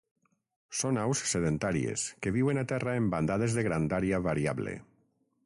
Són aus sedentàries que viuen a terra en bandades de grandària variable.